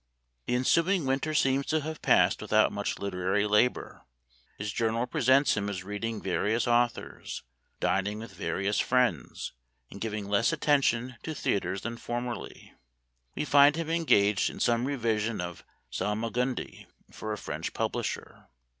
The ensuing winter seems to have passed without much literary labor. His journal pre sents him as reading various authors, dining with various friends, and giving less attention to theaters than formerly. We find him engaged in some revision of " Salmagundi " for a French publisher.